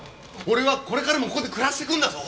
俺はこれからもここで暮らしてくんだぞ！